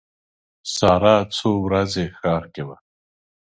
ساره څو ورځې ښار کې وه.